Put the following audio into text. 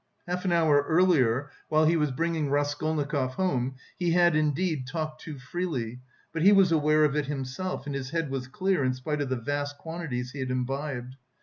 Half an hour earlier, while he was bringing Raskolnikov home, he had indeed talked too freely, but he was aware of it himself, and his head was clear in spite of the vast quantities he had imbibed.